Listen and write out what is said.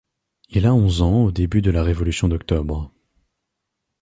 Il a onze ans au début de la révolution d’Octobre.